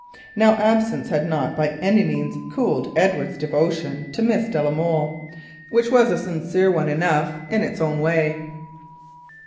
Now, absence had not by any means cooled Edward's devotion to Miss de la Molle, which was a sincere one enough in its own way.